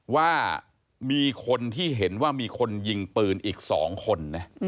ว่ามีคนที่เห็นว่ามีคนยิงปืนอีก๒คนนะ